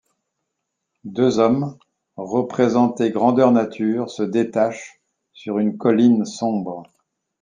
Deux hommes, représentés grandeur nature, se détachent sur une colline sombre.